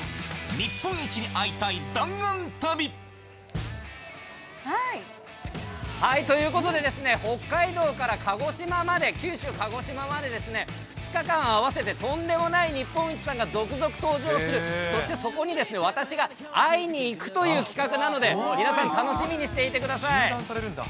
日本一に会いたい弾丸旅。ということで、北海道から鹿児島まで、九州、鹿児島まで２日間合わせてとんでもない日本一さんが続々登場する、そしてそこに私が会いに行くという企画なので、皆さん、楽しみに縦断されるんだ。